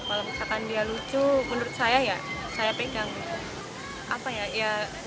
kalau misalkan dia lucu menurut saya ya saya pegang